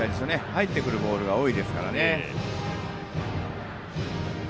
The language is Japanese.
入ってくるボールが多いですから。